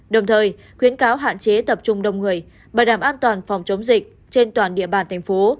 đồng thời khuyến cáo hạn chế tập trung đông người bảo đảm an toàn phòng chống dịch trên toàn địa bàn thành phố